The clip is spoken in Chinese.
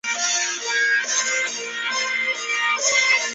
主要股东为烟台市人民政府国有资产监督管理委员会。